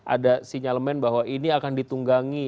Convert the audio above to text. ada sinyal men bahwa ini akan ditunggangi